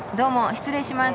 失礼します。